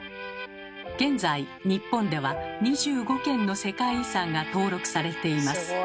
現在日本では２５件の世界遺産が登録されています。